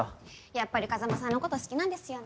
やっぱり風真さんのこと好きなんですよね？